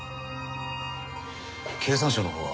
経産省のほうは？